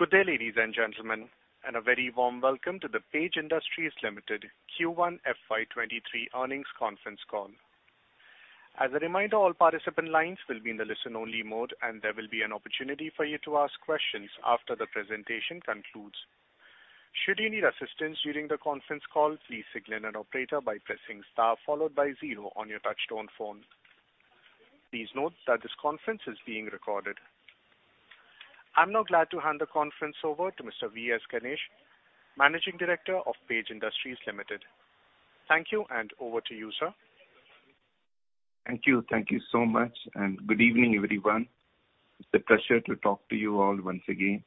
Good day, ladies and gentlemen, and a very warm welcome to the Page Industries Limited Q1 FY 2023 earnings conference call. As a reminder, all participant lines will be in the listen-only mode, and there will be an opportunity for you to ask questions after the presentation concludes. Should you need assistance during the conference call, please signal an operator by pressing star followed by zero on your touchtone phone. Please note that this conference is being recorded. I'm now glad to hand the conference over to Mr. V.S. Ganesh, Managing Director of Page Industries Limited. Thank you, and over to you, sir. Thank you. Thank you so much, and good evening, everyone. It's a pleasure to talk to you all once again.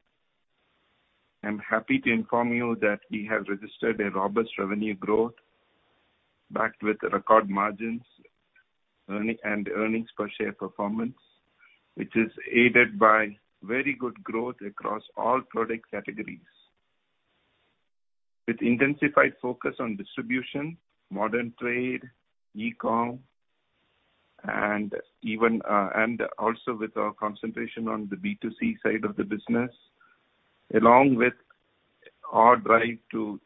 I'm happy to inform you that we have registered a robust revenue growth backed with record margins and earnings per share performance, which is aided by very good growth across all product categories. With intensified focus on distribution, modern trade, e-com, and even and also with our concentration on the B2C side of the business, along with our drive to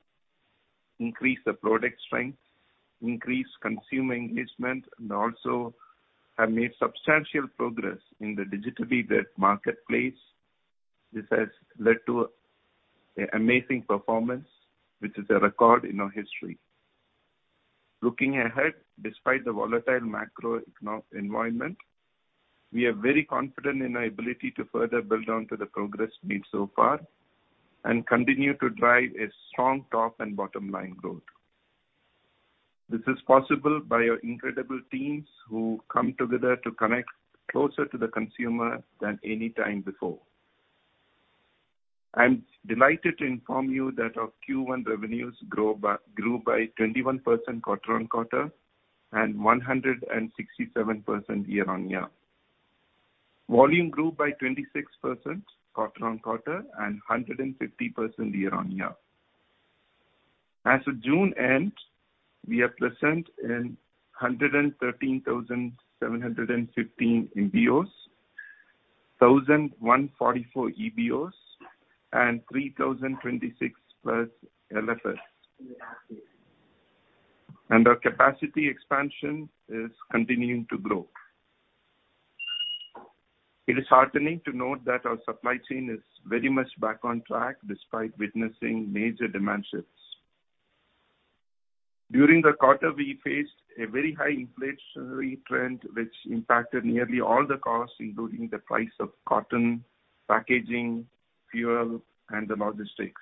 increase the product strength, increase consumer engagement, and also have made substantial progress in the digitally-led marketplace. This has led to an amazing performance, which is a record in our history. Looking ahead, despite the volatile macroeconomic environment, we are very confident in our ability to further build on to the progress made so far and continue to drive a strong top and bottom-line growth. This is possible by our incredible teams who come together to connect closer to the consumer than any time before. I'm delighted to inform you that our Q1 revenues grew by 21% quarter-on-quarter and 167% year-on-year. Volume grew by 26% quarter-on-quarter and 150% year-on-year. As of June end, we are present in 113,715 EBOs, 1,144 EBOs, and 3,026+ LFS. Our capacity expansion is continuing to grow. It is heartening to note that our supply chain is very much back on track despite witnessing major demand shifts. During the quarter, we faced a very high inflationary trend which impacted nearly all the costs, including the price of cotton, packaging, fuel, and the logistics.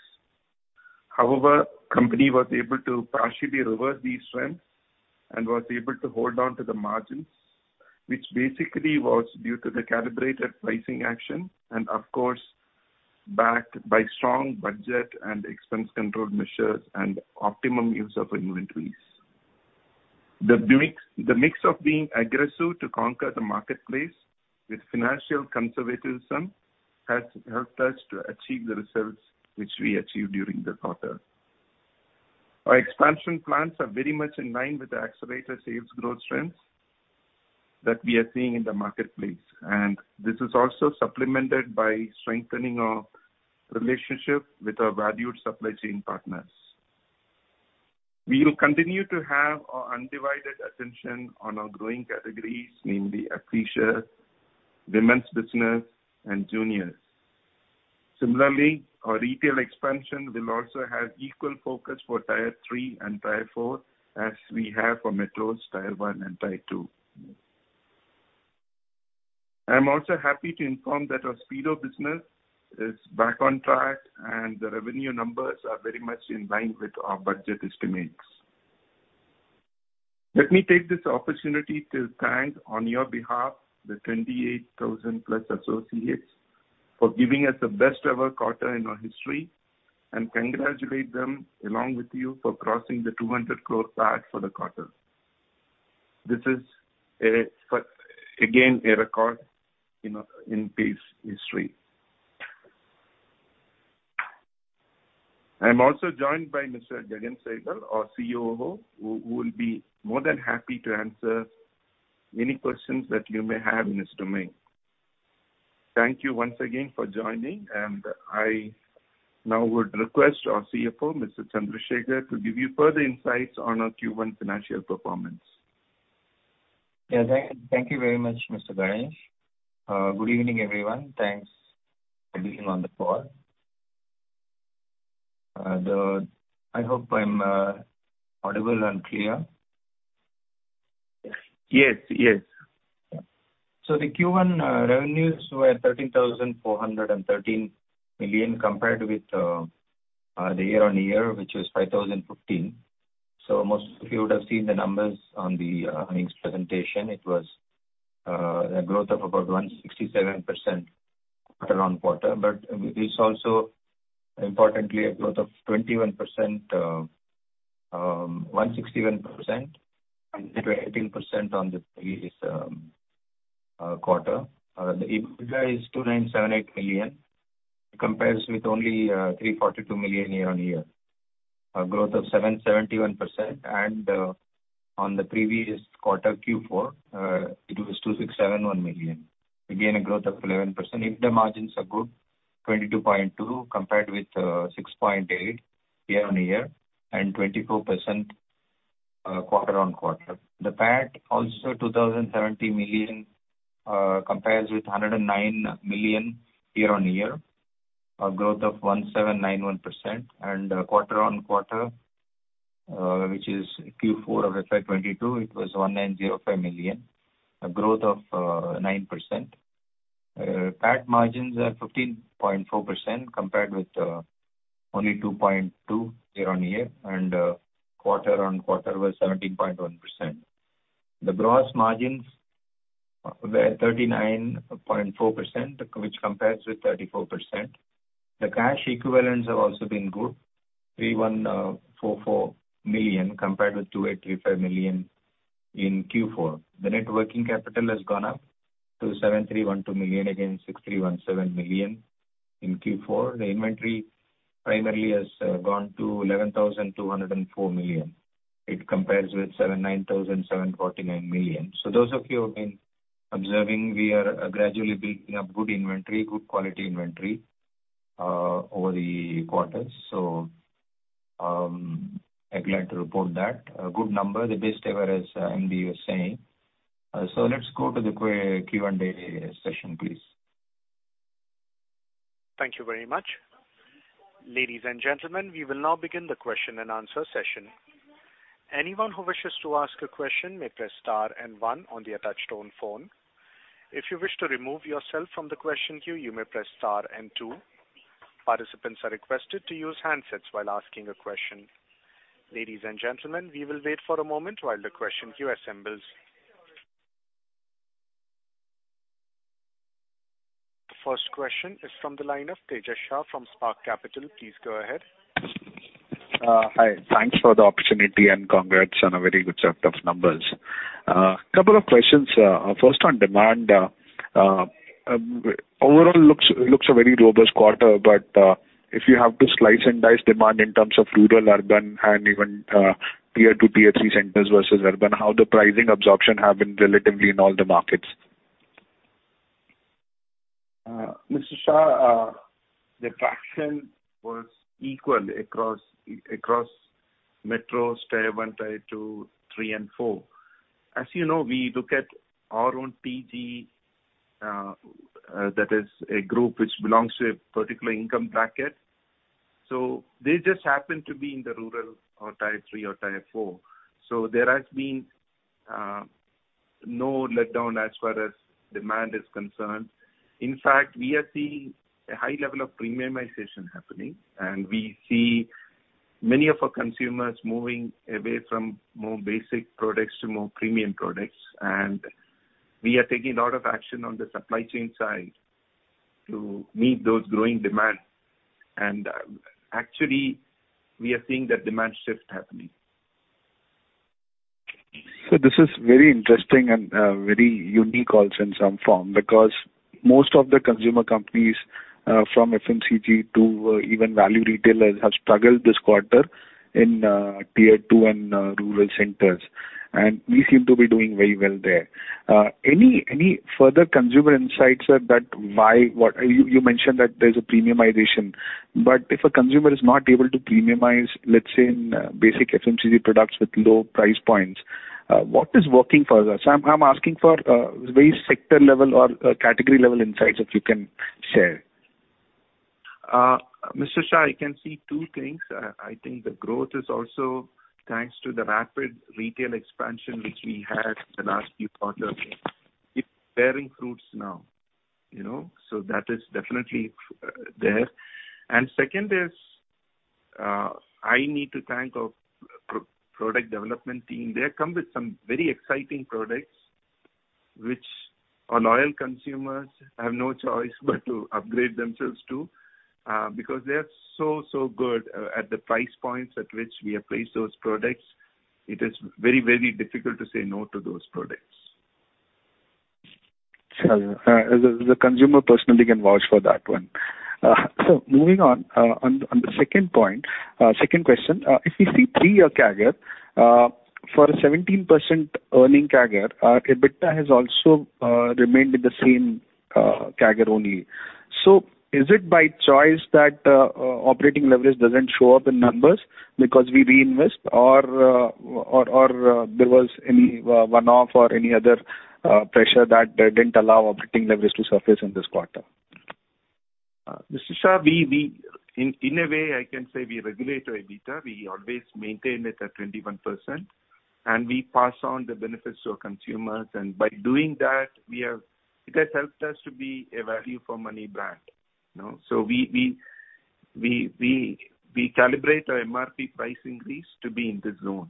However, company was able to partially reverse these trends and was able to hold on to the margins, which basically was due to the calibrated pricing action and of course backed by strong budget and expense control measures and optimum use of inventories. The mix of being aggressive to conquer the marketplace with financial conservatism has helped us to achieve the results which we achieved during the quarter. Our expansion plans are very much in line with the accelerated sales growth trends that we are seeing in the marketplace, and this is also supplemented by strengthening our relationship with our valued supply chain partners. We will continue to have our undivided attention on our growing categories, namely, Athleisure, women's business, and juniors. Similarly, our retail expansion will also have equal focus for Tier 3 and Tier 4 as we have for metros Tier 1 and Tier 2. I'm also happy to inform that our Speedo business is back on track, and the revenue numbers are very much in line with our budget estimates. Let me take this opportunity to thank on your behalf the 28,000+ associates for giving us the best ever quarter in our history and congratulate them along with you for crossing the 200 crore mark for the quarter. This is again a record in Page history. I'm also joined by Mr. Gagan Sehgal, our COO, who will be more than happy to answer any questions that you may have in his domain. Thank you once again for joining, and I now would request our CFO, Mr. Chandrasekar, to give you further insights on our Q1 financial performance. Yeah. Thank you very much, Mr. Ganesh. Good evening, everyone. Thanks for being on the call. I hope I'm audible and clear. Yes. Yes. The Q1 revenues were 13,413 million compared with the year on year, which was 5,015 million. Most of you would have seen the numbers on the earnings presentation. It was a growth of about 167% quarter on quarter. But it's also importantly a growth of 21%, 161% and 18% on the previous quarter. The EBITDA is 2,978 million. It compares with only 342 million year on year. A growth of 771% and on the previous quarter, Q4, it was 2,671 million. Again, a growth of 11%. EBITDA margins are good, 22.2% compared with 6.8% year-on-year and 24% quarter-on-quarter. The PAT also 2,070 million compares with 109 million year-on-year, a growth of 1,791%. Quarter-on-quarter, which is Q4 of FY 2022, it was 1,905 million, a growth of 9%. PAT margins are 15.4% compared with only 2.2% year-on-year, and quarter-on-quarter was 17.1%. The gross margins were 39.4%, which compares with 34%. The cash equivalents have also been good, 3,144 million, compared with 2,835 million in Q4. The net working capital has gone up to 7,312 million against 6,317 million in Q4. The inventory primarily has gone to 11,204 million. It compares with 9,749 million. Those of you who have been observing, we are gradually building up good inventory, good quality inventory over the quarters. I'm glad to report that. A good number, the best ever as MD was saying. Let's go to the Q&A session, please. Thank you very much. Ladies and gentlemen, we will now begin the question and answer session. Anyone who wishes to ask a question may press star and one on the touchtone phone. If you wish to remove yourself from the question queue, you may press star and two. Participants are requested to use handsets while asking a question. Ladies and gentlemen, we will wait for a moment while the question queue assembles. The first question is from the line of Tejas Shah from Spark Capital. Please go ahead. Hi. Thanks for the opportunity and congrats on a very good set of numbers. Couple of questions. First on demand. Overall looks a very robust quarter, but if you have to slice and dice demand in terms of rural, urban and even Tier 2, Tier 3 centers versus urban, how the pricing absorption have been relatively in all the markets. Mr. Shah, the traction was equal across metro, Tier 1, Tier 2, three, and four. As you know, we look at our own TG, that is a group which belongs to a particular income bracket. They just happen to be in the rural or Tier 3 or Tier 4. There has been no letdown as far as demand is concerned. In fact, we are seeing a high level of premiumization happening, and we see many of our consumers moving away from more basic products to more premium products. We are taking a lot of action on the supply chain side to meet those growing demand. Actually, we are seeing that demand shift happening. This is very interesting and very unique also in some form because most of the consumer companies from FMCG to even value retailers have struggled this quarter in Tier 2 and rural centers, and we seem to be doing very well there. Any further consumer insights, sir, that? Why what? You mentioned that there's a premiumization, but if a consumer is not able to premiumize, let's say in basic FMCG products with low price points, what is working for us? I'm asking for very sector level or category level insights, if you can share. Mr. Shah, I can see two things. I think the growth is also thanks to the rapid retail expansion which we had the last few quarters. It's bearing fruits now, you know? So that is definitely there. And second is, I need to thank our product development team. They have come with some very exciting products which our loyal consumers have no choice but to upgrade themselves to, because they are so good at the price points at which we have placed those products. It is very, very difficult to say no to those products. Sure. The consumer personally can vouch for that one. Moving on the second point, second question. If we see three-year CAGR, for a 17% earnings CAGR, EBITDA has also remained with the same CAGR only. Is it by choice that operating leverage doesn't show up in numbers because we reinvest or there was any one-off or any other pressure that didn't allow operating leverage to surface in this quarter? Mr. Shah, in a way, I can say we regulate our EBITDA. We always maintain it at 21%, and we pass on the benefits to our consumers. By doing that, it has helped us to be a value for money brand, you know. We calibrate our MRP price increase to be in this zone.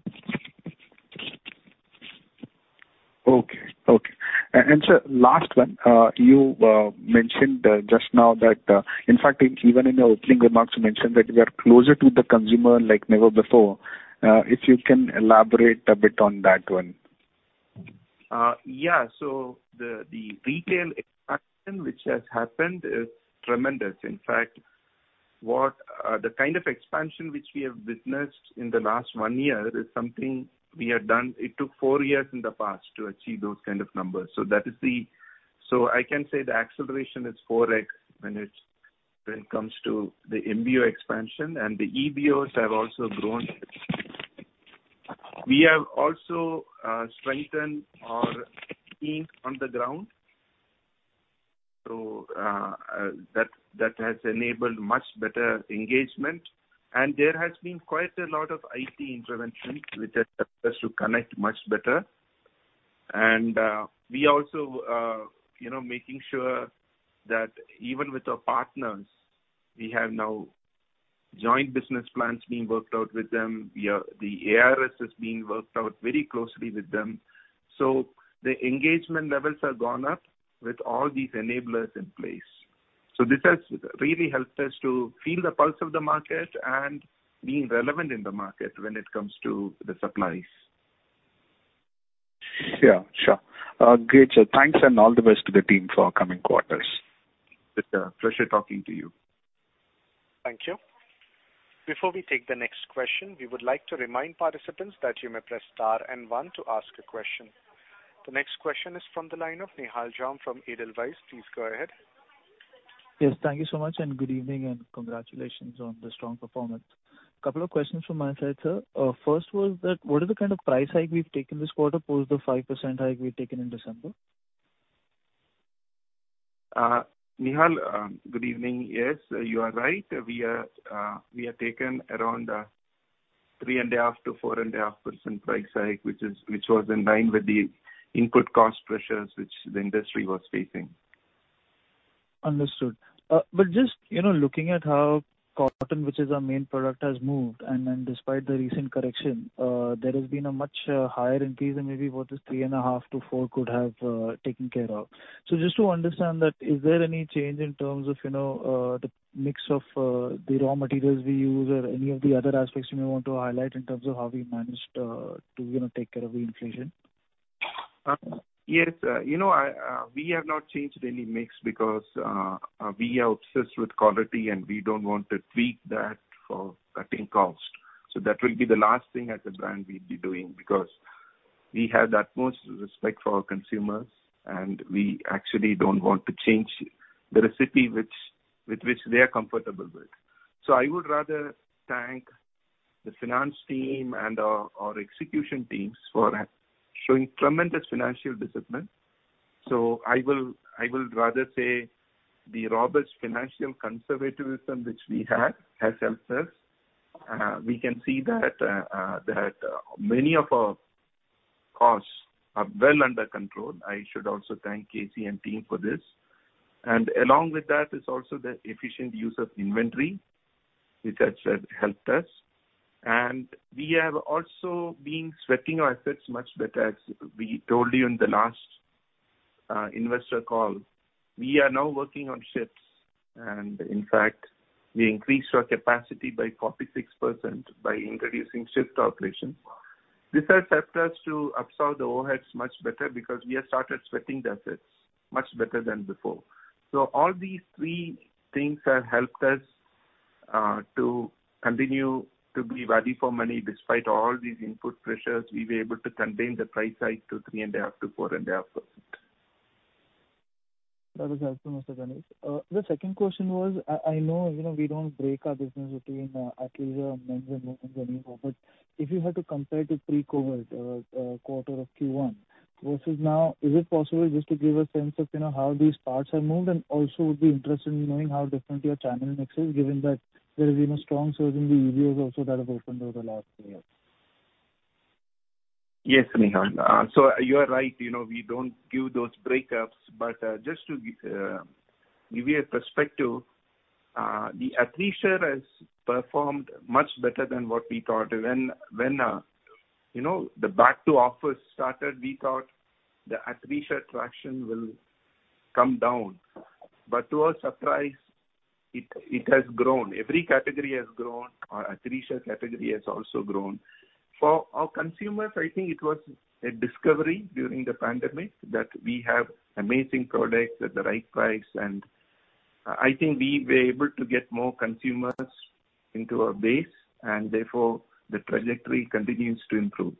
Okay. Sir, last one. You mentioned just now that, in fact, even in your opening remarks, you mentioned that we are closer to the consumer like never before. If you can elaborate a bit on that one. The retail expansion which has happened is tremendous. In fact, the kind of expansion which we have witnessed in the last one year is something we have done. It took four years in the past to achieve those kind of numbers. I can say the acceleration is 4x when it comes to the MBO expansion, and the EBOs have also grown. We have also strengthened our team on the ground. That has enabled much better engagement. There has been quite a lot of IT intervention which has helped us to connect much better. We also you know making sure that even with our partners, we have now joint business plans being worked out with them. The ARS is being worked out very closely with them. The engagement levels have gone up with all these enablers in place. This has really helped us to feel the pulse of the market and be relevant in the market when it comes to the supplies. Yeah, sure. Great, sir. Thanks, and all the best to the team for coming quarters. It's a pleasure talking to you. Thank you. Before we take the next question, we would like to remind participants that you may press star and one to ask a question. The next question is from the line of Nihal Jham from Edelweiss. Please go ahead. Yes, thank you so much, and good evening, and congratulations on the strong performance. Couple of questions from my side, sir. First, what is the kind of price hike we've taken this quarter post the 5% hike we've taken in December? Nihal, good evening. Yes, you are right. We have taken around 3.5%-4.5% price hike, which was in line with the input cost pressures which the industry was facing. Understood. Just, you know, looking at how cotton, which is our main product, has moved and despite the recent correction, there has been a much higher increase than maybe what this 3.5%-4% could have taken care of. Just to understand that, is there any change in terms of, you know, the mix of the raw materials we use or any of the other aspects you may want to highlight in terms of how we managed to, you know, take care of the inflation? Yes. You know, we have not changed any mix because we are obsessed with quality, and we don't want to tweak that for cutting costs. That will be the last thing as a brand we'd be doing, because we have the utmost respect for our consumers, and we actually don't want to change the recipe with which they are comfortable with. I would rather thank the finance team and our execution teams for showing tremendous financial discipline. I will rather say the robust financial conservatism which we had has helped us. We can see that many of our costs are well under control. I should also thank K.C and team for this. Along with that is also the efficient use of inventory, which has helped us. We have also been sweating our assets much better. As we told you in the last investor call, we are now working on shifts, and in fact, we increased our capacity by 46% by introducing shift operations. This has helped us to absorb the overheads much better because we have started sweating the assets much better than before. All these three things have helped us to continue to be value for money. Despite all these input pressures, we were able to contain the price hike to 3.5%-4.5%. That was helpful, Mr. Ganesh. The second question was, I know, you know, we don't break our business between Athleisure and men's and women's anymore, but if you had to compare to pre-COVID quarter of Q1 versus now, is it possible just to give a sense of, you know, how these parts have moved? Would be interested in knowing how different your channel mix is, given that there has been a strong surge in the EBOs also that have opened over the last three years. Yes, Nihal. You are right. You know, we don't give those breakups. Just to give you a perspective, the Athleisure has performed much better than what we thought. When you know, the back to office started, we thought the Athleisure traction will come down. To our surprise, it has grown. Every category has grown. Our Athleisure category has also grown. For our consumers, I think it was a discovery during the pandemic that we have amazing products at the right price. I think we were able to get more consumers into our base, and therefore, the trajectory continues to improve.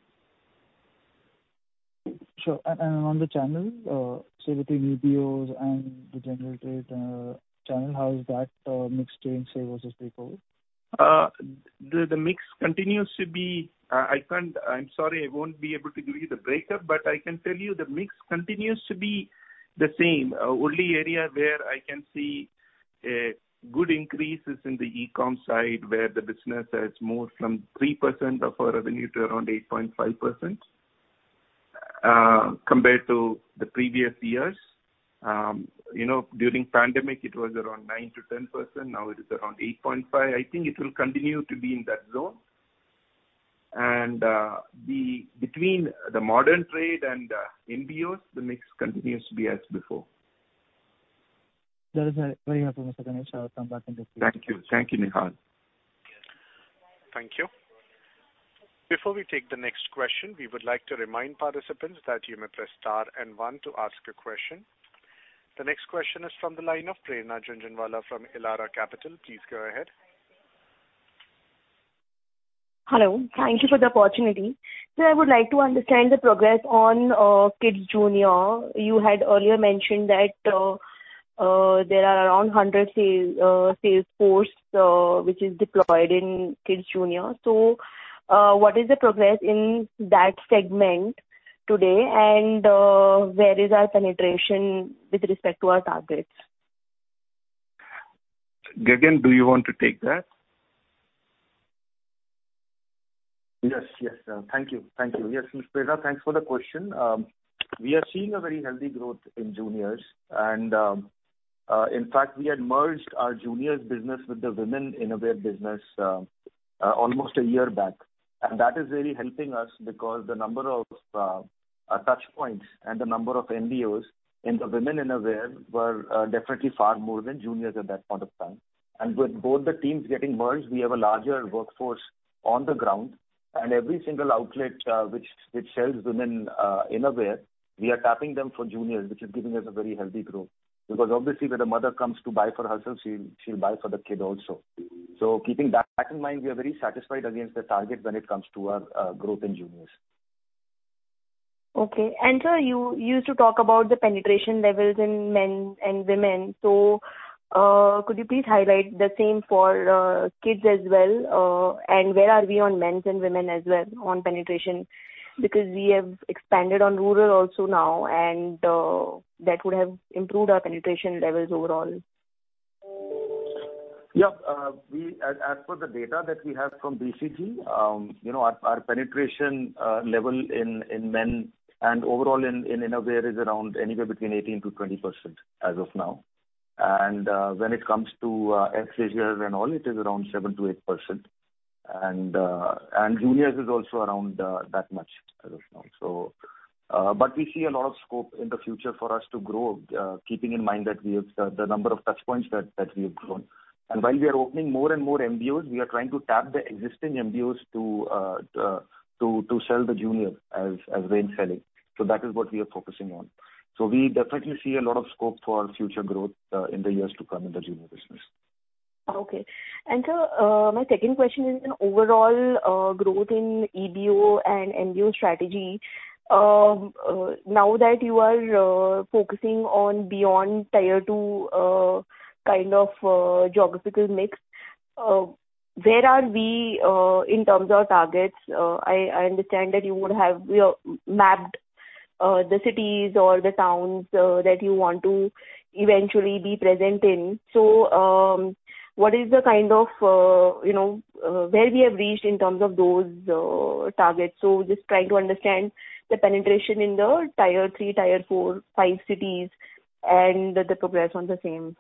Sure. On the channel, say between EBOs and the general channel, how is that mix changed, say, versus pre-COVID? The mix continues to be the same. Only area where I can see a good increase is in the e-com side, where the business has moved from 3% of our revenue to around 8.5%, compared to the previous years. You know, during pandemic it was around 9%-10%. Now it is around 8.5%. I think it will continue to be in that zone. Between the modern trade and the MBOs, the mix continues to be as before. That is very helpful, Mr. Ganesh. I will come back in case we have more questions. Thank you. Thank you, Nihal. Thank you. Before we take the next question, we would like to remind participants that you may press star and one to ask a question. The next question is from the line of Prerna Jhunjhunwala from Elara Capital. Please go ahead. Hello. Thank you for the opportunity. I would like to understand the progress on Jockey Juniors. You had earlier mentioned that there are around 100 sales force which is deployed in Jockey Juniors. What is the progress in that segment today, and where is our penetration with respect to our targets? Gagan, do you want to take that? Yes. Thank you. Yes, Ms. Prerna, thanks for the question. We are seeing a very healthy growth in juniors, and in fact, we had merged our juniors business with the women innerwear business almost a year back. That is really helping us because the number of touch points and the number of MBOs in the women innerwear were definitely far more than juniors at that point of time. With both the teams getting merged, we have a larger workforce on the ground, and every single outlet which sells women innerwear, we are tapping them for juniors, which is giving us a very healthy growth. Because obviously, when a mother comes to buy for herself, she'll buy for the kid also. Keeping that in mind, we are very satisfied against the target when it comes to our growth in juniors. Okay. Sir, you used to talk about the penetration levels in men and women, so could you please highlight the same for kids as well? Where are we on men and women as well on penetration? Because we have expanded in rural also now, and that would have improved our penetration levels overall. Yeah. As per the data that we have from BCG, you know, our penetration level in men and overall in innerwear is around anywhere between 18%-20% as of now. When it comes to athleisure and all, it is around 7%-8%. Juniors is also around that much as of now. We see a lot of scope in the future for us to grow, keeping in mind that we have the number of touch points that we have grown. While we are opening more and more MBOs, we are trying to tap the existing MBOs to sell the Juniors as range selling. That is what we are focusing on. We definitely see a lot of scope for our future growth, in the years to come in the junior business. Okay. Sir, my second question is on overall growth in EBO and MBO strategy. Now that you are focusing on beyond Tier 2, kind of geographical mix, where are we in terms of targets? I understand that you would have, you know, mapped the cities or the towns that you want to eventually be present in. What is the kind of, you know, where we have reached in terms of those targets? Just trying to understand the penetration in the Tier 3, Tier 4, five cities and the progress on the same.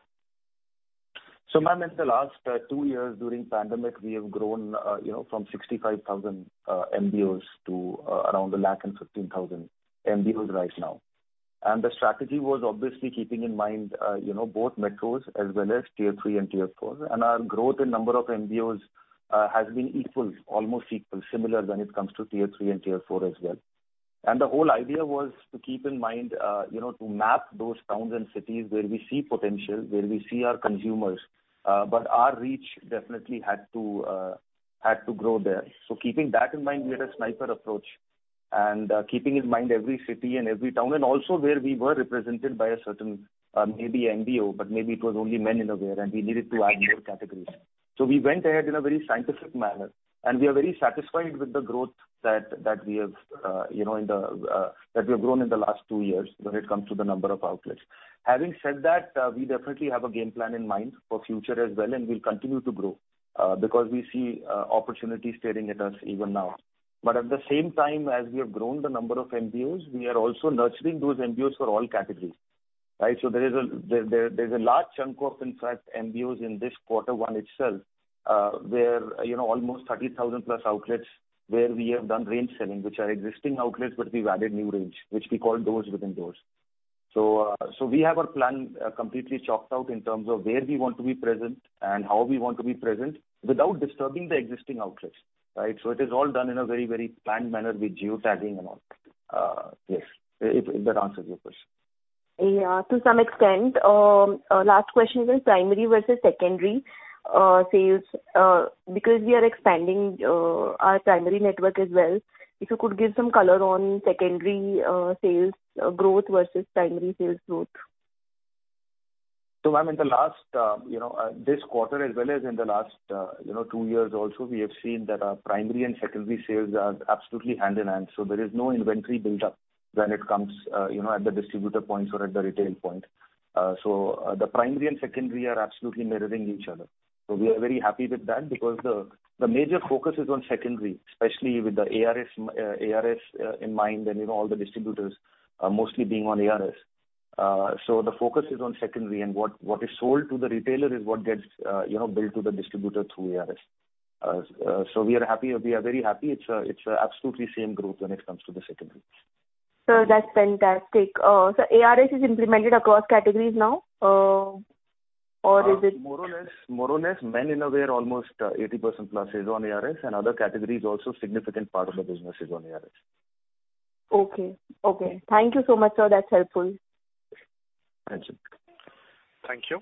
Ma'am, in the last two years during pandemic, we have grown, you know, from 65,000 MBOs to around 115,000 MBOs right now. The strategy was obviously keeping in mind, you know, both metros as well as Tier 3 and Tier 4. Our growth in number of MBOs has been equal, almost equal, similar when it comes to Tier 3 and Tier 4 as well. The whole idea was to keep in mind, you know, to map those towns and cities where we see potential, where we see our consumers, but our reach definitely had to grow there. Keeping that in mind, we had a sniper approach, and keeping in mind every city and every town, and also where we were represented by a certain, maybe MBO, but maybe it was only men Innerwear, and we needed to add more categories. We went ahead in a very scientific manner, and we are very satisfied with the growth that we have, you know, in the that we have grown in the last two years when it comes to the number of outlets. Having said that, we definitely have a game plan in mind for future as well, and we'll continue to grow, because we see opportunities staring at us even now. But at the same time, as we have grown the number of MBOs, we are also nurturing those MBOs for all categories, right? There's a large chunk of, in fact, MBOs in this quarter one itself, where you know, almost 30,000+ outlets where we have done range selling, which are existing outlets, but we've added new range, which we call doors within doors. We have our plan completely chalked out in terms of where we want to be present and how we want to be present without disturbing the existing outlets, right? It is all done in a very, very planned manner with geotagging and all. Yes, if that answers your question. Yeah, to some extent. Last question is on primary versus secondary sales because we are expanding our primary network as well. If you could give some color on secondary sales growth versus primary sales growth? Ma'am, in the last, you know, this quarter as well as in the last, you know, two years also, we have seen that our primary and secondary sales are absolutely hand in hand, so there is no inventory built up when it comes, you know, at the distributor points or at the retail point. The primary and secondary are absolutely mirroring each other. We are very happy with that because the major focus is on secondary, especially with the ARS in mind and, you know, all the distributors, mostly being on ARS. The focus is on secondary, and what is sold to the retailer is what gets billed to the distributor through ARS. We are happy. We are very happy. It's absolutely same growth when it comes to the secondary. That's fantastic. ARS is implemented across categories now, or is it? More or less, men in a way are almost 80%+ is on ARS and other categories also significant part of the business is on ARS. Okay. Thank you so much, sir. That's helpful. Thank you. Thank you.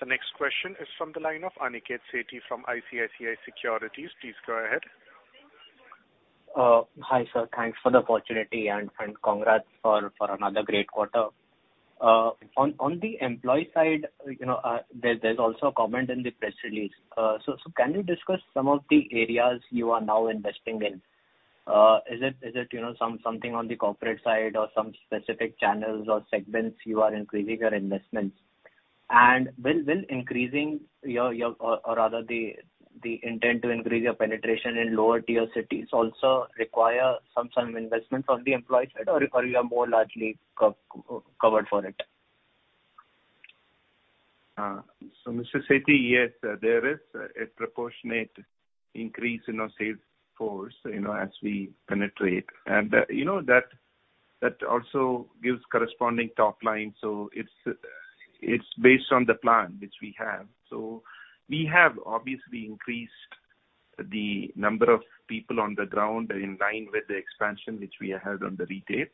The next question is from the line of Aniket Sethi from ICICI Securities. Please go ahead. Hi, sir. Thanks for the opportunity and congrats for another great quarter. On the employee side, you know, there's also a comment in the press release. Can you discuss some of the areas you are now investing in? Is it, you know, something on the corporate side or some specific channels or segments you are increasing your investments? Will increasing your or rather the intent to increase your penetration in lower Tier cities also require some investments on the employee side, or you are more largely covered for it? Mr. Sethi, yes, there is a proportionate increase in our sales force, you know, as we penetrate. You know, that also gives corresponding top line. It's based on the plan which we have. We have obviously increased the number of people on the ground in line with the expansion which we have had on the retail.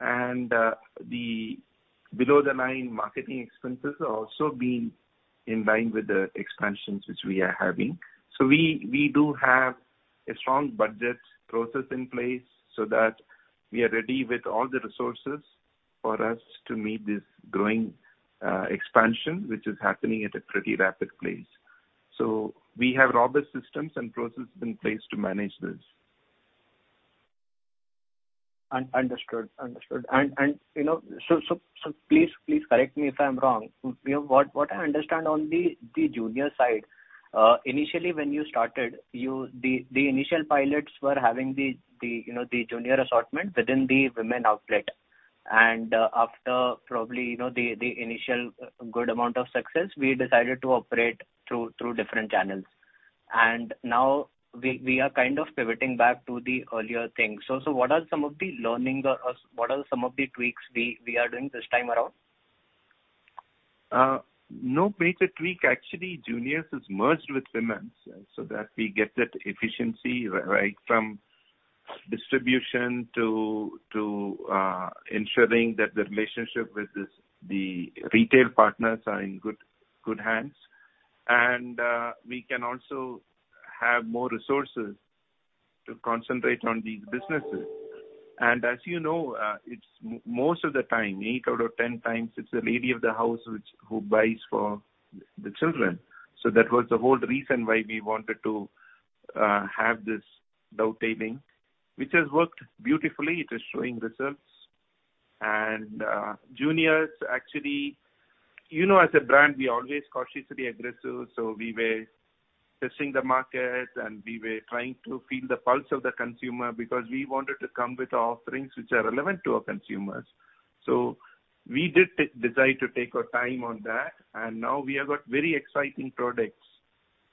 The below the line marketing expenses are also being in line with the expansions which we are having. We do have a strong budget process in place so that we are ready with all the resources for us to meet this growing expansion, which is happening at a pretty rapid pace. We have robust systems and processes in place to manage this. Understood. You know, please correct me if I'm wrong. You know, what I understand on the junior side, initially when you started, the initial pilots were having the junior assortment within the women outlet. After probably, the initial good amount of success, we decided to operate through different channels. Now we are kind of pivoting back to the earlier things. What are some of the learnings or what are some of the tweaks we are doing this time around? No major tweak. Actually, Jockey Juniors is merged with women's, so that we get that efficiency right from distribution to ensuring that the relationship with the retail partners are in good hands. We can also have more resources to concentrate on these businesses. As you know, it's most of the time, eight out of 10 times, it's the lady of the house who buys for the children. That was the whole reason why we wanted to have this dovetailing, which has worked beautifully. It is showing results. Jockey Juniors actually. You know, as a brand, we are always cautiously aggressive, so we were testing the market and we were trying to feel the pulse of the consumer because we wanted to come with offerings which are relevant to our consumers. We did decide to take our time on that. Now we have got very exciting products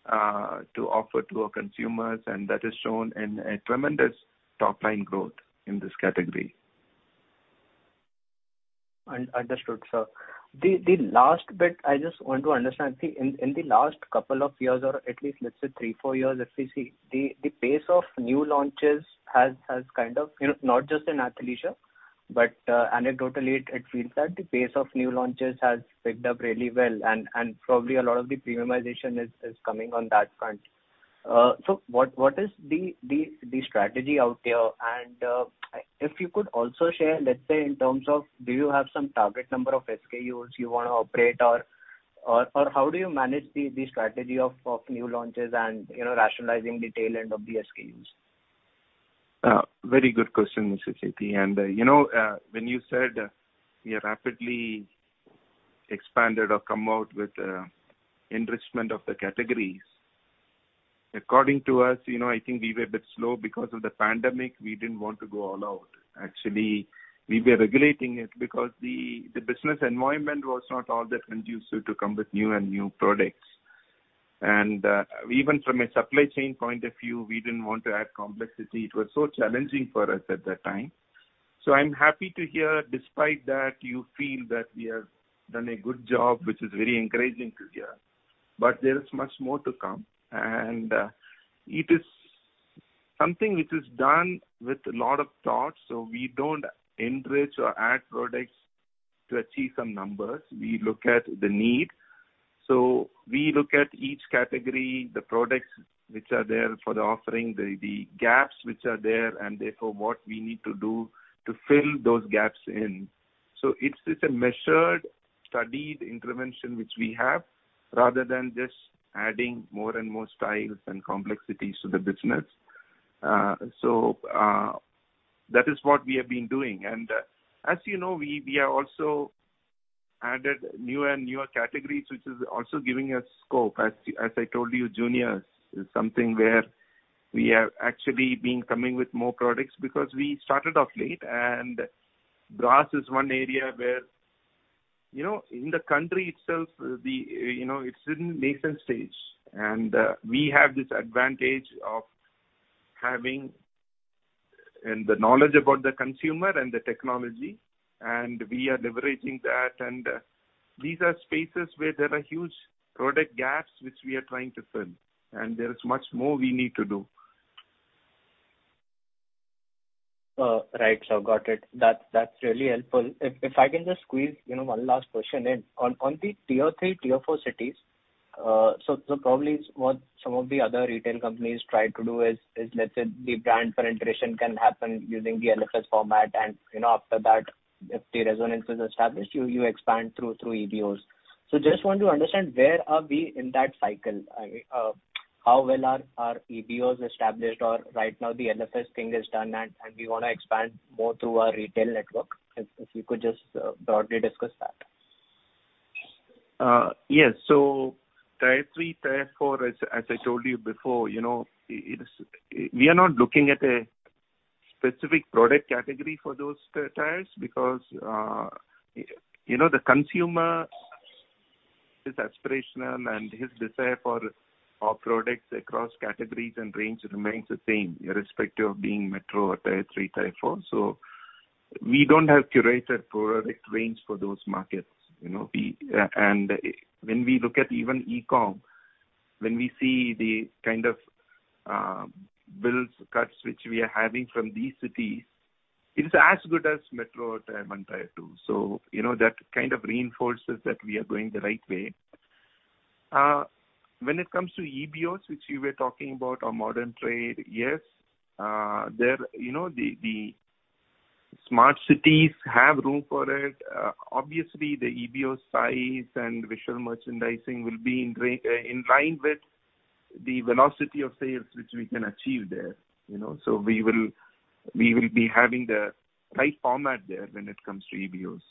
to offer to our consumers, and that is shown in a tremendous top-line growth in this category. Understood, sir. The last bit I just want to understand in the last couple of years or at least let's say three, four years if we see the pace of new launches has kind of you know not just in Athleisure but anecdotally it feels that the pace of new launches has picked up really well and probably a lot of the premiumization is coming on that front. So what is the strategy out there? If you could also share let's say in terms of do you have some target number of SKUs you wanna operate? Or how do you manage the strategy of new launches and you know rationalizing the tail end of the SKUs? Very good question, Mr. Sethi. You know, when you said we rapidly expanded or come out with enrichment of the categories, according to us, you know, I think we were a bit slow because of the pandemic. We didn't want to go all out. Actually, we were regulating it because the business environment was not all that conducive to come with new and new products. Even from a supply chain point of view, we didn't want to add complexity. It was so challenging for us at that time. I'm happy to hear despite that you feel that we have done a good job, which is very encouraging to hear. There is much more to come. It is something which is done with a lot of thought, so we don't enrich or add products to achieve some numbers. We look at the need. We look at each category, the products which are there for the offering, the gaps which are there, and therefore what we need to do to fill those gaps in. It's a measured, studied intervention which we have, rather than just adding more and more styles and complexities to the business. That is what we have been doing. As you know, we have also added new and newer categories, which is also giving us scope. As I told you, Juniors is something where we have actually been coming with more products because we started off late. Bras is one area where, you know, in the country itself, the, you know, it's in nascent stage, and we have this advantage of having the knowledge about the consumer and the technology, and we are leveraging that. These are spaces where there are huge product gaps which we are trying to fill, and there is much more we need to do. Right. Got it. That's really helpful. If I can just squeeze, you know, one last question in. On the Tier 3, Tier 4 cities, probably what some of the other retail companies try to do is, let's say the brand penetration can happen using the LFS format and, you know, after that if the resonance is established, you expand through EBOs. Just want to understand where are we in that cycle? I mean, how well are our EBOs established or right now the LFS thing is done and we wanna expand more through our retail network. If you could just broadly discuss that. Tier 3, Tier 4, as I told you before, you know, it is. We are not looking at a specific product category for those Tiers because, you know, the consumer, his aspirational and his desire for our products across categories and range remains the same, irrespective of being metro or Tier 3, Tier 4. We don't have curated product range for those markets, you know. When we look at even e-com, when we see the kind of basket sizes which we are having from these cities, it is as good as metro or Tier 1, Tier 2. You know, that kind of reinforces that we are going the right way. When it comes to EBOs, which you were talking about or modern trade, you know, the smart cities have room for it. Obviously the EBO size and visual merchandising will be in line with the velocity of sales which we can achieve there, you know. We will be having the right format there when it comes to EBOs.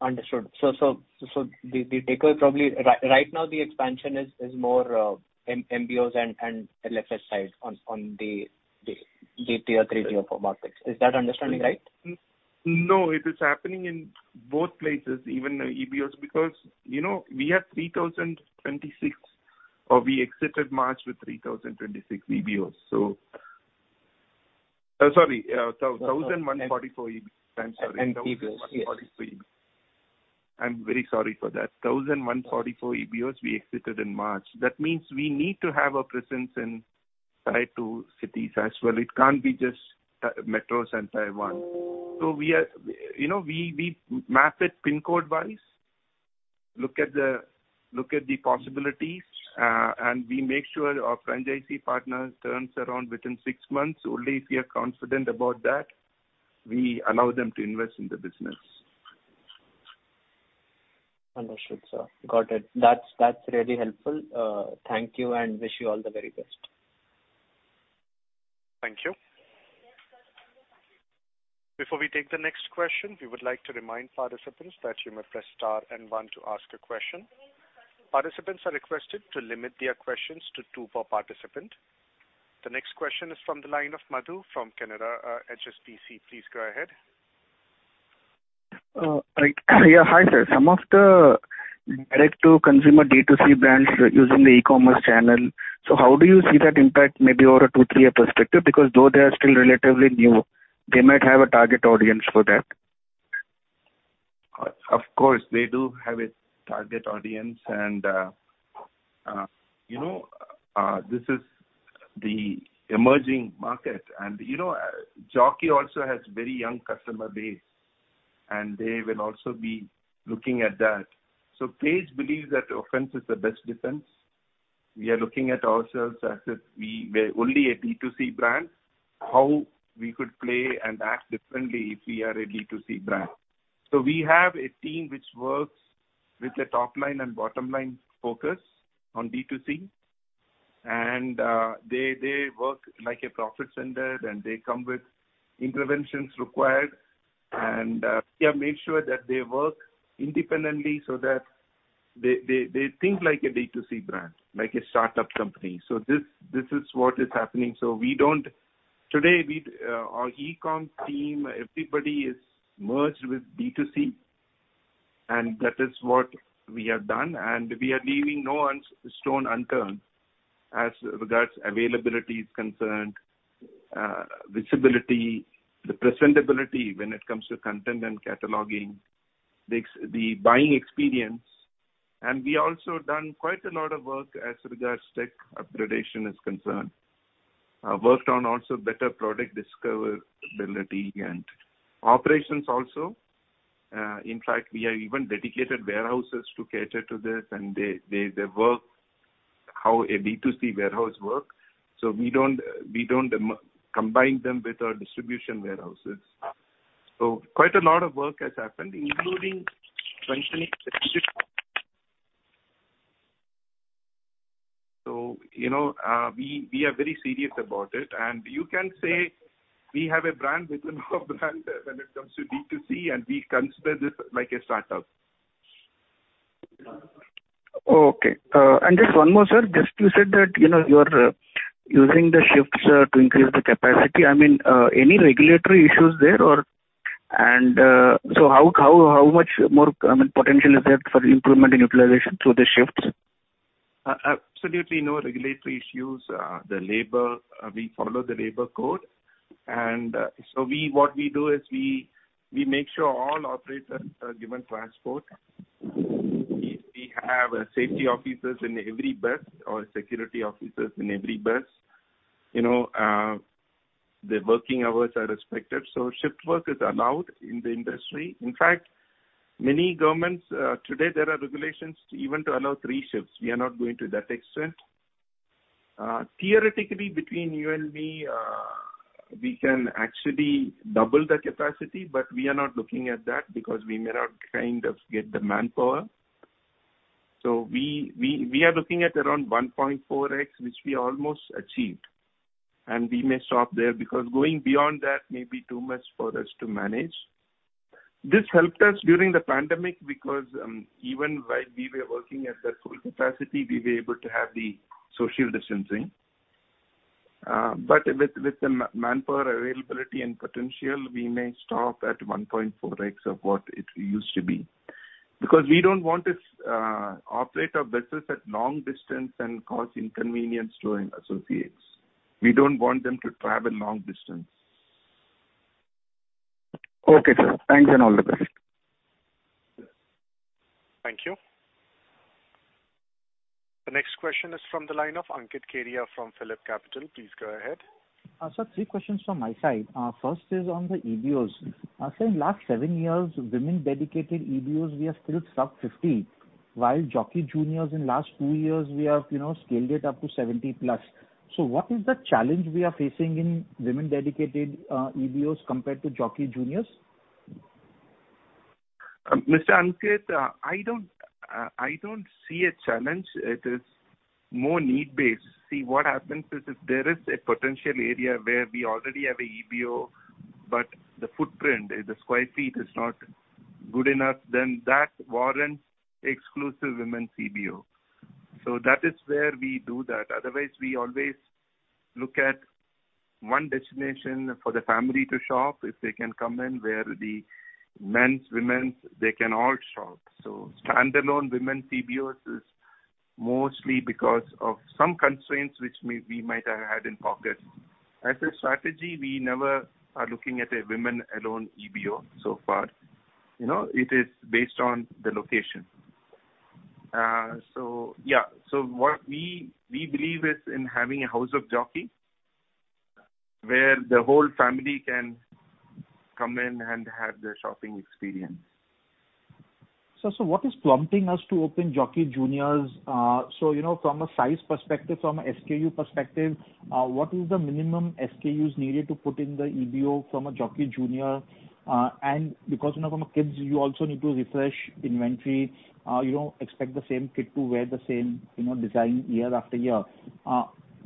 Understood. The takeaway probably right now the expansion is more MBOs and LFS side on the Tier 3, Tier 4 markets. Is that understanding right? No, it is happening in both places, even the EBOs, because, you know, we exited March with 1,144 EBOs. I'm sorry. EBOs. Yes. I'm very sorry for that. 1,044 EBOs we exited in March. That means we need to have a presence in Tier 2 cities as well. It can't be just metros and Tier 1. We map it pin code wise, look at the possibilities, and we make sure our franchisee partners turns around within six months. Only if we are confident about that, we allow them to invest in the business. Understood, sir. Got it. That's really helpful. Thank you and wish you all the very best. Thank you. Before we take the next question, we would like to remind participants that you may press star and one to ask a question. Participants are requested to limit their questions to two per participant. The next question is from the line of Madhu from Canara HSBC. Please go ahead. Right. Yeah, hi, sir. Some of the direct to consumer D2C brands using the e-commerce channel. How do you see that impact maybe over a two- to three-year perspective? Because though they are still relatively new, they might have a target audience for that. Of course, they do have a target audience and, you know, this is the emerging market and, you know, Jockey also has very young customer base and they will also be looking at that. Please believe that offense is the best defense. We are looking at ourselves as if we were only a D2C brand, how we could play and act differently if we are a D2C brand. We have a team which works with a top line and bottom line focus on D2C and, they work like a profit center and they come with interventions required. Make sure that they work independently so that they think like a D2C brand, like a startup company. This is what is happening. We don't. Today we, our e-com team, everybody is merged with D2C, and that is what we have done. We are leaving no stone unturned as regards availability is concerned, visibility, the presentability when it comes to content and cataloging, the buying experience. We also done quite a lot of work as regards tech upgradation is concerned. Worked on also better product discoverability and operations also. In fact we have even dedicated warehouses to cater to this and they work how a D2C warehouse work. We don't combine them with our distribution warehouses. Quite a lot of work has happened including functioning. You know, we are very serious about it. You can say we have a brand within our brand when it comes to D2C and we consider this like a startup. Okay. Just one more, sir. Just you said that, you know, you're using the shifts to increase the capacity. I mean, any regulatory issues there or so how much more, I mean, potential is there for improvement in utilization through the shifts? Absolutely no regulatory issues. The labor, we follow the labor code. What we do is we make sure all operators are given transport. We have safety officers in every bus or security officers in every bus. You know, the working hours are respected. Shift work is allowed in the industry. In fact, many governments today there are regulations to even allow three shifts. We are not going to that extent. Theoretically, between you and me, we can actually double the capacity, but we are not looking at that because we may not kind of get the manpower. We are looking at around 1.4x, which we almost achieved, and we may stop there because going beyond that may be too much for us to manage. This helped us during the pandemic because even while we were working at the full capacity, we were able to have the social distancing. With the manpower availability and potential, we may stop at 1.4x of what it used to be. Because we don't want to operate our business at long distance and cause inconvenience to our associates. We don't want them to travel long distance. Okay, sir. Thanks and all the best. Yes. Thank you. The next question is from the line of Ankit Kedia from PhillipCapital. Please go ahead. Sir, three questions from my side. First is on the EBOs. Sir, in last seven years, women dedicated EBOs, we are still sub 50, while Jockey Juniors in last two years, we have, you know, scaled it up to 70+. What is the challenge we are facing in women dedicated EBOs compared to Jockey Juniors? Mr. Ankit, I don't see a challenge. It is more need-based. See, what happens is if there is a potential area where we already have a EBO, but the footprint, the square feet is not good enough, then that warrants exclusive women's EBO. That is where we do that. Otherwise, we always look at one destination for the family to shop, if they can come in where the men's, women's, they can all shop. Standalone women's EBOs is mostly because of some constraints which we might have had in pockets. As a strategy, we never are looking at a women-only EBO so far. You know, it is based on the location. Yeah. What we believe is in having a house of Jockey where the whole family can come in and have their shopping experience. What is prompting us to open Jockey Juniors? You know, from a size perspective, from a SKU perspective, what is the minimum SKUs needed to put in the EBO from a Jockey Juniors? Because, you know, from kids you also need to refresh inventory. You don't expect the same kid to wear the same, you know, design year after year.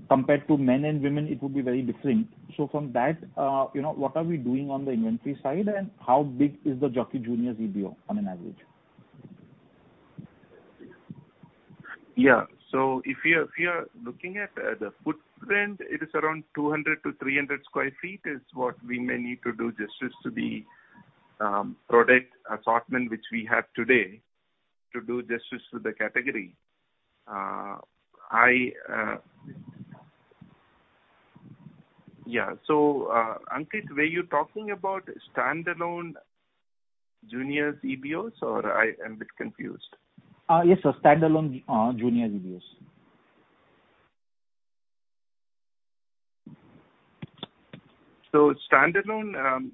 Compared to men and women, it would be very different. From that, you know, what are we doing on the inventory side, and how big is the Jockey Juniors' EBO on an average? If you are looking at the footprint, it is around 200 sq ft-300 sq ft is what we may need to do justice to the product assortment which we have today to do justice to the category. Ankit, were you talking about standalone Juniors EBOs, or I am a bit confused. Yes, sir. Standalone, Juniors EBOs. Standalone,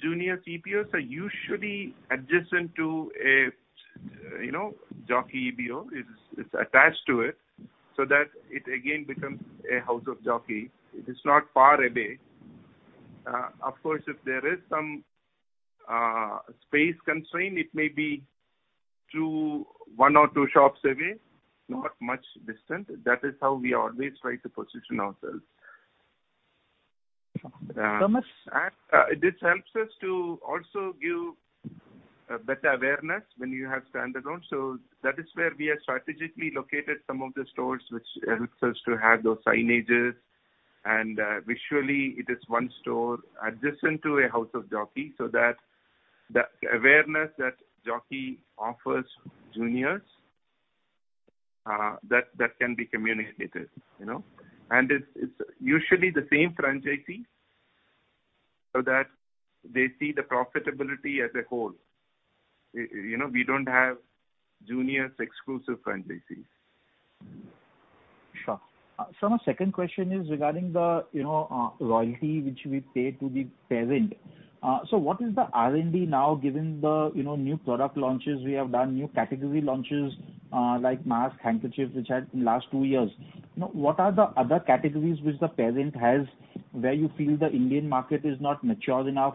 juniors EBOs are usually adjacent to a, you know, Jockey EBO. It's attached to it, so that it again becomes a house of Jockey. It is not far away. Of course, if there is some space constraint, it may be one or two shops away, not much distance. That is how we always try to position ourselves. Thomas. This helps us to also give better awareness when you have standalone. That is where we have strategically located some of the stores, which helps us to have those signages. Visually it is one store adjacent to a house of Jockey, so that the awareness that Jockey offers juniors, that can be communicated, you know. It's usually the same franchisee, so that they see the profitability as a whole. You know, we don't have juniors exclusive franchisees. Sure. Sir, my second question is regarding the, you know, royalty which we pay to the parent. What is the R&D now given the, you know, new product launches we have done, new category launches, like masks, handkerchiefs which had in last two years? You know, what are the other categories which the parent has where you feel the Indian market is not mature enough,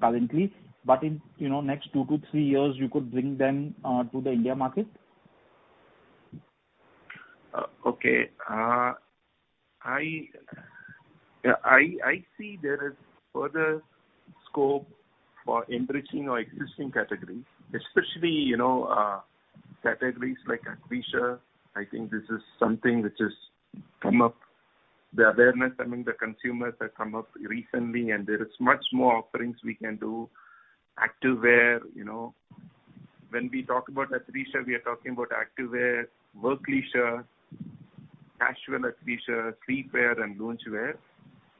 currently, but in, you know, next two to three years you could bring them, to the Indian market? I see there is further scope for enriching our existing categories, especially, you know, categories like Athleisure. I think this is something which has come up. The awareness among the consumers has come up recently, and there is much more offerings we can do. Activewear, you know. When we talk about Athleisure, we are talking about Activewear, Workleisure, casual Athleisure, Sleepwear and Loungewear.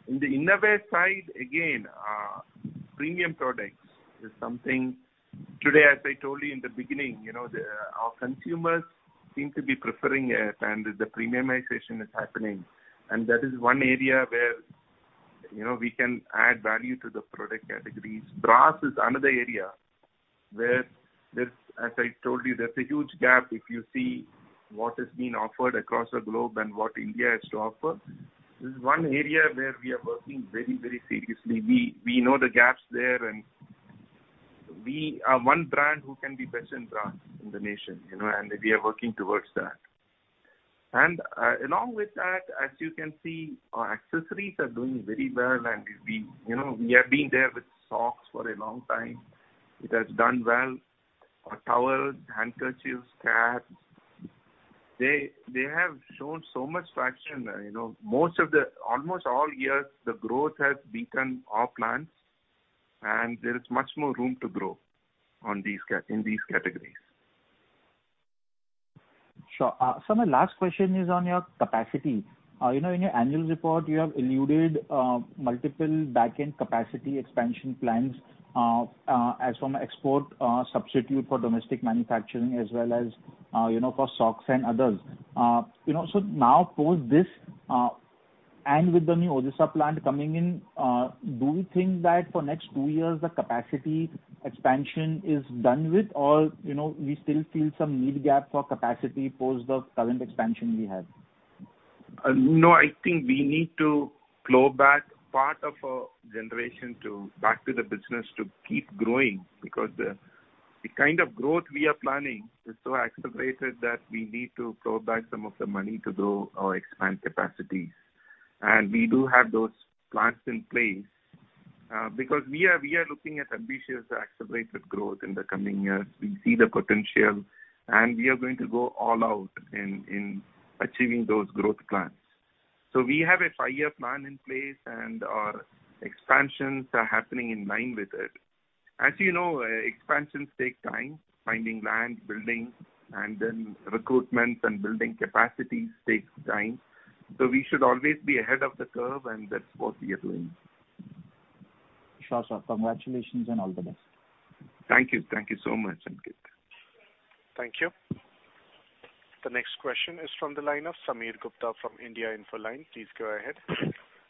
In the Innerwear side, again, premium products is something. Today, as I told you in the beginning, you know, our consumers seem to be preferring it and the premiumization is happening. That is one area where, you know, we can add value to the product categories. Bras is another area where, as I told you, there's a huge gap if you see what is being offered across the globe and what India has to offer. This is one area where we are working very, very seriously. We know the gaps there, and we are one brand who can be best in bras in the nation, you know, and we are working towards that. Along with that, as you can see, our accessories are doing very well. You know, we have been there with socks for a long time. It has done well. Our towels, handkerchiefs, caps, they have shown so much traction. You know, almost all years the growth has beaten our plans, and there is much more room to grow in these categories. Sure. Sir, my last question is on your capacity. You know, in your annual report you have alluded to multiple back-end capacity expansion plans for export, substitute for domestic manufacturing as well as, you know, for socks and others. You know, so now post this, and with the new Odisha plant coming in, do you think that for next two years the capacity expansion is done with? Or, you know, we still feel some need gap for capacity post the current expansion we have? No, I think we need to plow back part of our generation back to the business to keep growing. The kind of growth we are planning is so accelerated that we need to plow back some of the money to expand our capacities. We do have those plans in place, because we are looking at ambitious accelerated growth in the coming years. We see the potential, and we are going to go all out in achieving those growth plans. We have a five-year plan in place, and our expansions are happening in line with it. As you know, expansions take time, finding land, building, and then recruitment and building capacities takes time. We should always be ahead of the curve, and that's what we are doing. Sure, sir. Congratulations and all the best. Thank you. Thank you so much, Ankit. Thank you. The next question is from the line of Sameer Gupta from India Infoline. Please go ahead.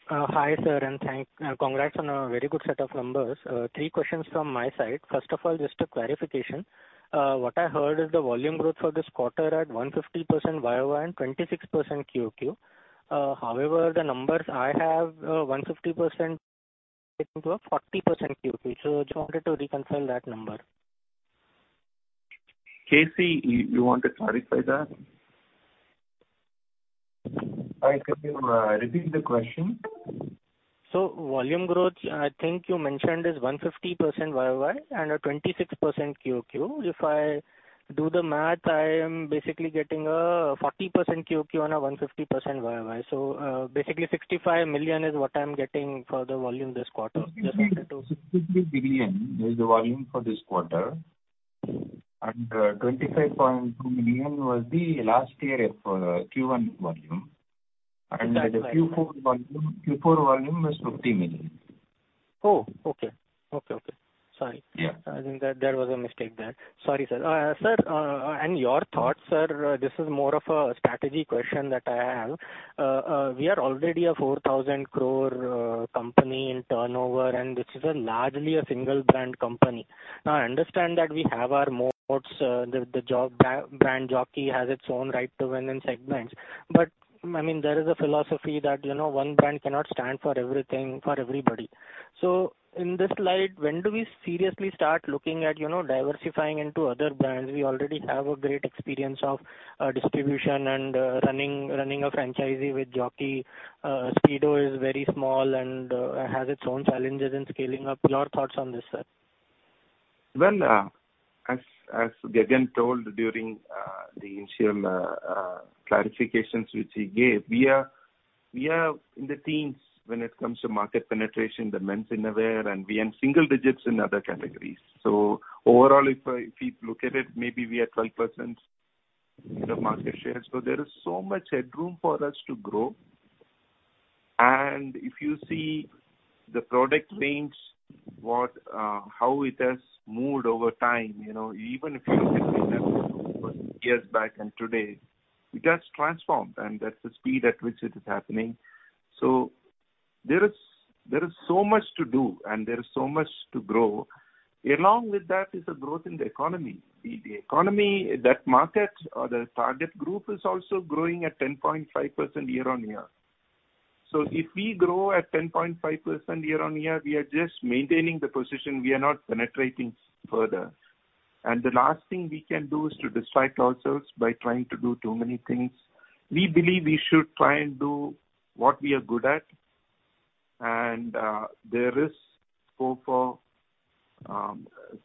Hi, sir, congrats on a very good set of numbers. Three questions from my side. First of all, just a clarification. What I heard is the volume growth for this quarter at 150% YoY and 26% QoQ. However, the numbers I have, 150% breaking to a 40% QoQ. Just wanted to reconfirm that number. K.C, you want to clarify that? Hi, can you repeat the question? Volume growth, I think you mentioned is 150% YOY and a 26% QOQ. If I do the math, I am basically getting a 40% QOQ on a 150% YOY. Basically 65 million is what I'm getting for the volume this quarter. Just wanted to. 63 billion is the volume for this quarter, and 25.2 million was the last year for Q1 volume. That's right. The Q4 volume was 50 million. Oh, okay. Sorry. Yeah. I think that there was a mistake there. Sorry, sir. Sir, and your thoughts, sir. This is more of a strategy question that I have. We are already a 4,000 crore company in turnover, and this is largely a single brand company. Now, I understand that we have our moats, the Jockey brand has its own right to win in segments. I mean, there is a philosophy that, you know, one brand cannot stand for everything, for everybody. In this light, when do we seriously start looking at, you know, diversifying into other brands? We already have a great experience of distribution and running a franchise with Jockey. Speedo is very small and has its own challenges in scaling up. Your thoughts on this, sir. Well, as Gagan told during the interim clarifications which he gave, we are in the teens when it comes to market penetration, the men's innerwear, and we are in single digits in other categories. Overall, if we look at it, maybe we are 12% in the market share. There is so much headroom for us to grow. If you see the product range, how it has moved over time, you know. Even if you look at the numbers from years back and today, it has transformed, and that's the speed at which it is happening. There is so much to do, and there is so much to grow. Along with that is the growth in the economy. The economy, that market or the target group is also growing at 10.5% year-on-year. If we grow at 10.5% year-on-year, we are just maintaining the position, we are not penetrating further. The last thing we can do is to distract ourselves by trying to do too many things. We believe we should try and do what we are good at. There is scope for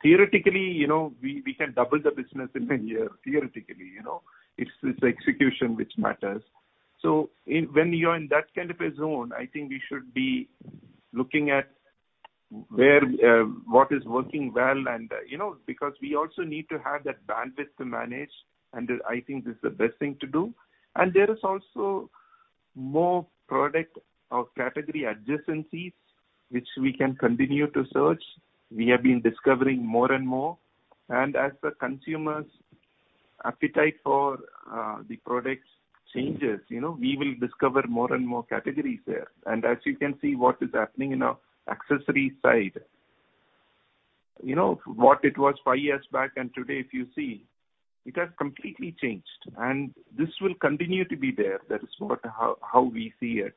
theoretically, you know, we can double the business in a year, theoretically, you know. It's execution which matters. When you're in that kind of a zone, I think we should be looking at where what is working well and, you know, because we also need to have that bandwidth to manage, and I think this is the best thing to do. There is also more product or category adjacencies which we can continue to search. We have been discovering more and more. As the consumers' appetite for the products changes, you know, we will discover more and more categories there. As you can see what is happening in our accessories side, you know, what it was five years back and today if you see, it has completely changed. This will continue to be there. That is what, how we see it.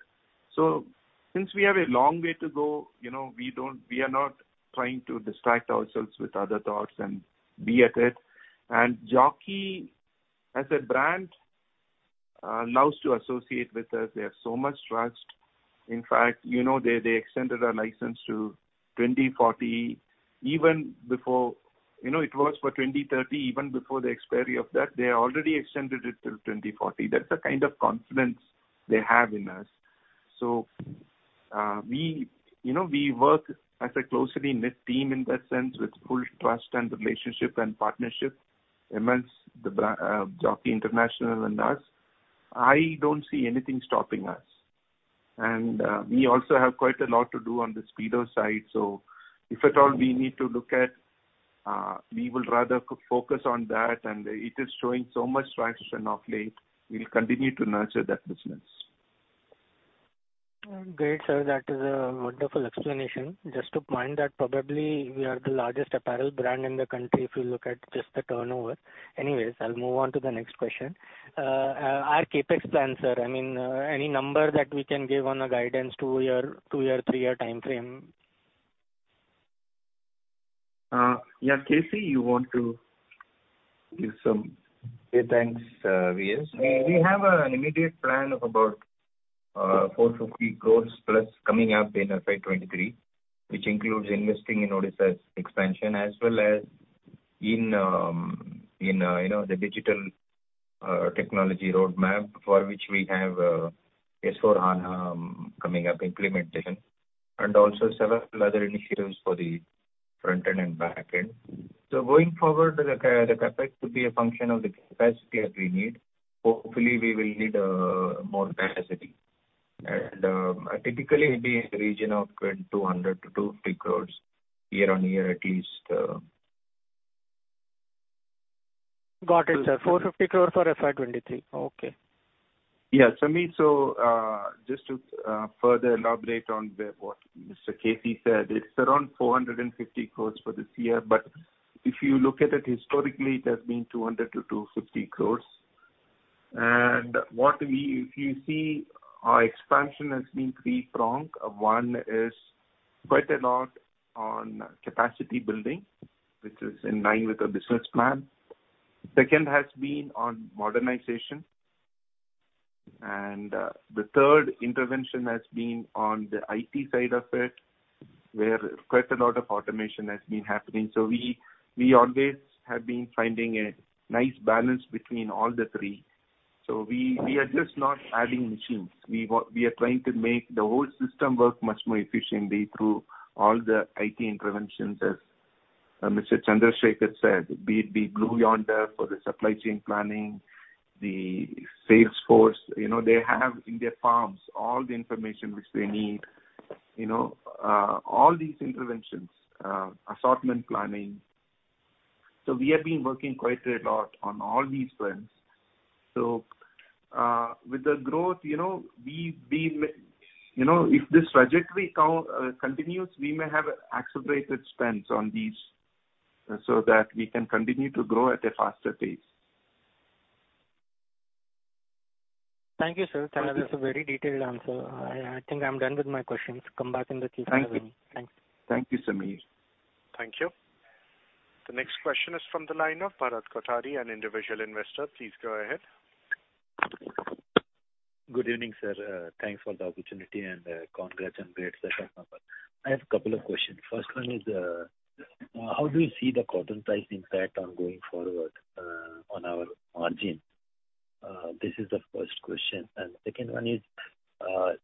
Since we have a long way to go, you know, we are not trying to distract ourselves with other thoughts and be at it. Jockey as a brand loves to associate with us. They have so much trust. In fact, you know, they extended our license to 2040 even before. You know, it was for 2030. Even before the expiry of that, they already extended it till 2040. That's the kind of confidence they have in us. We, you know, we work as a closely-knit team in that sense with full trust and relationship and partnership amongst Jockey International and us. I don't see anything stopping us. We also have quite a lot to do on the Speedo side. If at all we need to look at, we would rather focus on that, and it is showing so much traction of late. We'll continue to nurture that business. Great, sir. That is a wonderful explanation. Just to point that probably we are the largest apparel brand in the country if you look at just the turnover. Anyways, I'll move on to the next question. Our CapEx plan, sir, I mean, any number that we can give on a guidance two-year, three-year timeframe? Yeah. K.C., you want to give some? Yeah. Thanks, V.S. We have an immediate plan of about 450 crores plus coming up in FY 2023, which includes investing in Odisha's expansion as well as in, you know, the digital technology roadmap for which we have S/4HANA coming up implementation and also several other initiatives for the front-end and back-end. Going forward, the CapEx could be a function of the capacity that we need. Hopefully, we will need more capacity. Typically it'll be in the region of 2,200 crores-250 crores year-on-year at least. Got it, sir. 450 crores for FY 2023. Okay. Yeah. Sameer, just to further elaborate on what Mr. K.C. said, it's around 450 crore for this year. If you look at it historically, it has been 200 crore-250 crore. If you see our expansion has been three-pronged. One is quite a lot on capacity building, which is in line with the business plan. Second has been on modernization. The third intervention has been on the IT side of it, where quite a lot of automation has been happening. We always have been finding a nice balance between all the three. We are just not adding machines. We are trying to make the whole system work much more efficiently through all the IT interventions, as Mr. Chandrasekar said. Be it the Blue Yonder for the supply chain planning, the sales force, you know, they have in their palms all the information which they need, you know. All these interventions, assortment planning. We have been working quite a lot on all these fronts. With the growth, you know, you know, if this trajectory continues, we may have accelerated spends on these so that we can continue to grow at a faster pace. Thank you, sir. That is a very detailed answer. I think I'm done with my questions. Come back in case I have any. Thank you. Thanks. Thank you, Sameer. Thank you. The next question is from the line of Bharat Kothari, an individual investor. Please go ahead. Good evening, sir. Thanks for the opportunity and congrats and great set of numbers. I have a couple of questions. First one is how do you see the cotton price impact on going forward on our margin? This is the first question. Second one is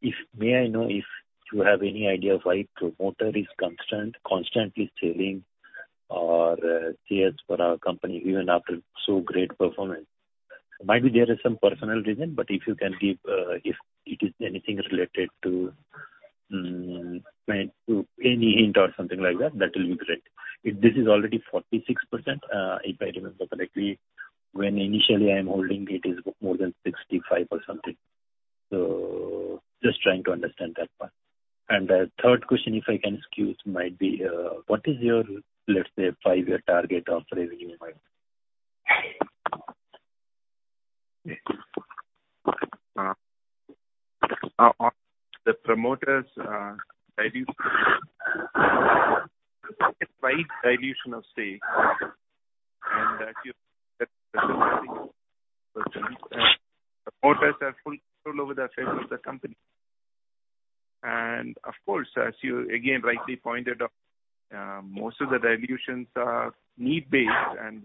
if may I know if you have any idea why promoter is constantly selling our shares of our company even after so great performance? Might be there is some personal reason, but if you can give if it is anything related to like any hint or something like that will be great. If this is already 46%, if I remember correctly, when initially I'm holding it is more than 65% or something. Just trying to understand that part. The third question, if I can squeeze, might be, what is your, let's say, five-year target of revenue and margin? Yes. On the promoters' dilution, slight dilution, say, and that the promoters have full control over the affairs of the company. Of course, as you again rightly pointed out, most of the dilutions are need-based and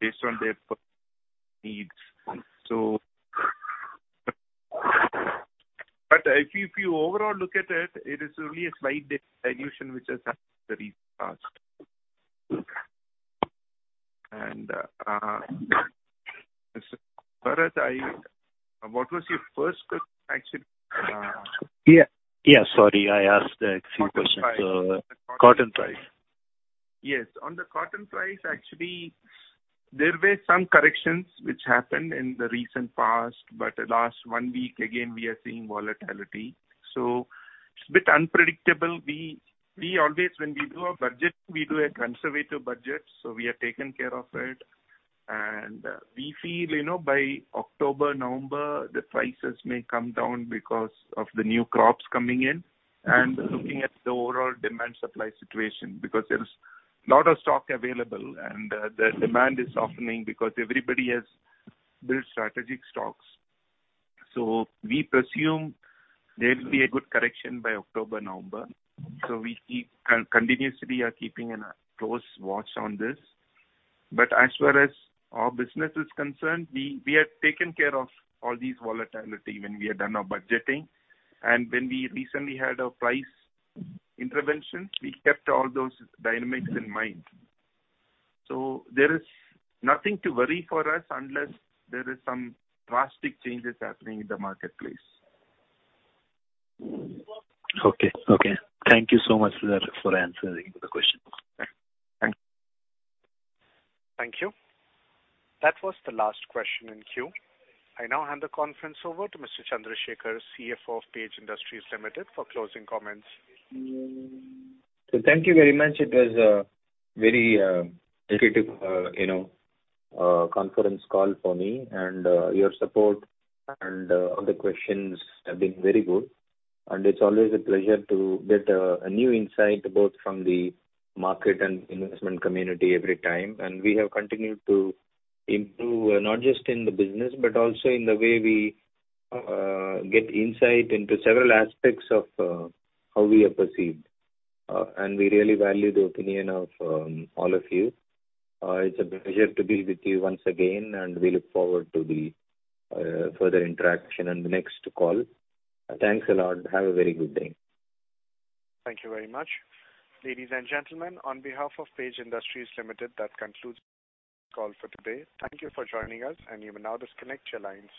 based on their needs. If you overall look at it is really a slight dilution which has happened in the recent past. Mr. Bharat, what was your first question, actually? Yeah, yeah. Sorry, I asked a few questions. Cotton price. Cotton price. Yes. On the cotton price, actually, there were some corrections which happened in the recent past, but the last one week again we are seeing volatility, so it's a bit unpredictable. We always when we do a budget, we do a conservative budget, so we have taken care of it. We feel, you know, by October, November the prices may come down because of the new crops coming in and looking at the overall demand supply situation because there is a lot of stock available and, the demand is softening because everybody has built strategic stocks. We presume there will be a good correction by October, November. We continuously are keeping a close watch on this. As far as our business is concerned, we have taken care of all this volatility when we have done our budgeting. When we recently had a price intervention, we kept all those dynamics in mind. There is nothing to worry for us unless there is some drastic changes happening in the marketplace. Okay. Thank you so much, sir, for answering the question. Thank you. Thank you. That was the last question in queue. I now hand the conference over to Mr. Chandrashekar, CFO of Page Industries Limited, for closing comments. Thank you very much. It was a very, educative, you know, conference call for me and, your support and all the questions have been very good. It's always a pleasure to get a new insight both from the market and investment community every time. We have continued to improve, not just in the business but also in the way we, get insight into several aspects of, how we are perceived. We really value the opinion of all of you. It's a pleasure to be with you once again, and we look forward to the further interaction in the next call. Thanks a lot. Have a very good day. Thank you very much. Ladies and gentlemen, on behalf of Page Industries Limited, that concludes the call for today. Thank you for joining us, and you may now disconnect your lines.